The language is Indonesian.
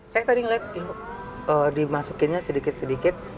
saya tadi ngeliat dimasukinnya sedikit sedikit